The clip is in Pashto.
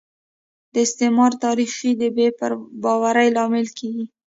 د استعمار تاریخ د بې باورۍ لامل کیږي